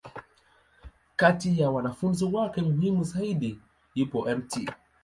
Kati ya wanafunzi wake muhimu zaidi, yupo Mt.